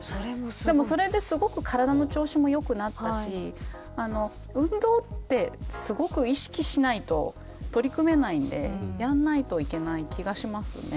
それですごく体の調子も良くなったし運動って、すごく意識しないと取り組めないのでやらないといけない気がしますね。